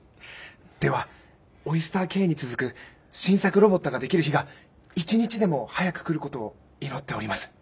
ではオイスターＫに続く新作ロボットができる日が一日でも早く来ることを祈っております。